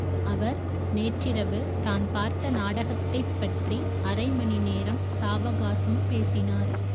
அவர் நேற்றிரவு தான் பார்த்த நாடகத்தைப்பற்றி அரை மணி சாவகாசம் பேசினார்.